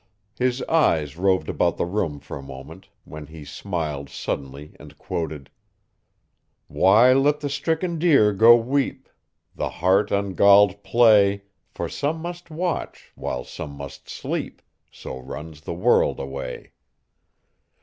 His eyes roved about the room for a moment, when he smiled suddenly and quoted: Why, let the stricken deer go weep; The hart ungalled play, For some must watch, while some must sleep: So runs the world away.